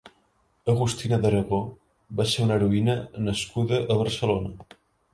Agustina d'Aragó va ser una heroïna nascuda a Barcelona.